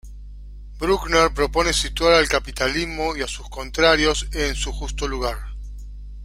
Bruckner propone situar al capitalismo y a sus contrarios en su justo lugar.